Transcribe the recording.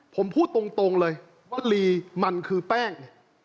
ผมพูดตรงเลยว่าลีมันคือแป้ง